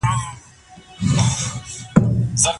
زدهکوونکي د ښوونځي د کتابتون څځه ګټه اخلي.